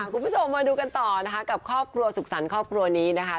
คุณผู้ชมมาดูกันต่อนะคะกับครอบครัวสุขสรรค์ครอบครัวนี้นะคะ